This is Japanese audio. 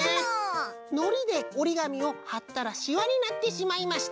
「のりでおりがみをはったらしわになってしまいました。